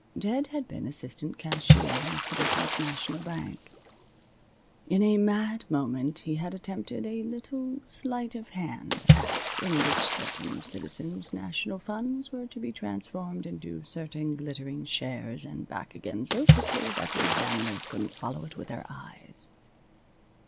Ted had been assistant cashier in the Citizens' National Bank. In a mad moment he had attempted a little sleight of hand act in which certain Citizens' National funds were to be transformed into certain glittering shares and back again so quickly that the examiners couldn't follow it with their eyes.